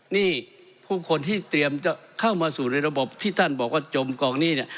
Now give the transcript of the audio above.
นี่ผู้คนที่เตรียมจะเข้ามาสู่ในระบบที่ท่านบอกว่าจมกองหนี้เนี่ย